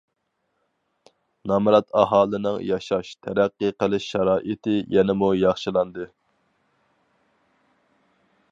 نامرات ئاھالىنىڭ ياشاش- تەرەققىي قىلىش شارائىتى يەنىمۇ ياخشىلاندى.